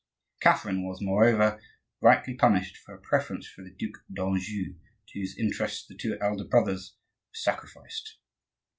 Catherine was, moreover, rightly punished for her preference for the Duc d'Anjou, to whose interests the two elder brothers were sacrificed.